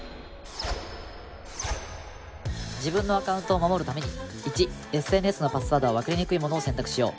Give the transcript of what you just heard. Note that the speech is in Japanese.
自分のアカウントを守るために１ＳＮＳのパスワードは分かりにくいものを選択しよう。